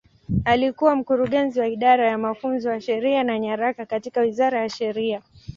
Alikuwa Mkurugenzi wa Idara ya Mafunzo ya Sheria na Nyaraka katika Wizara ya Sheria.